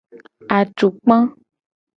Atukpa.